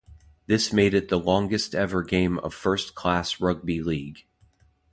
This made it the longest-ever game of first class rugby league.